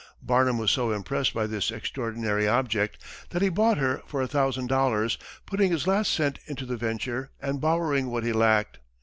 Barnum was so impressed by this extraordinary object, that he bought her for a thousand dollars, putting his last cent into the venture and borrowing what he lacked.